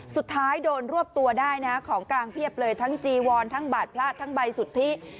สุดท้ายโดนรวบตัวได้นะของกลางเพียบเลยทั้งจีวอนทั้งบาดพระทั้งใบสุทธิ